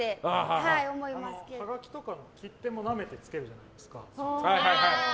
はがきとか切手もなめてつけるじゃないですか。